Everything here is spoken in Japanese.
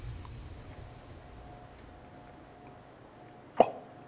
あっ！